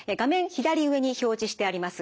左上に表示してあります